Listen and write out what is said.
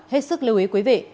hết sức lưu ý quý vị